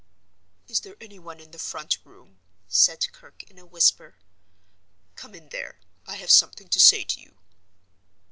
"Is there any one in the front room?" said Kirke, in a whisper. "Come in there; I have something to say to you."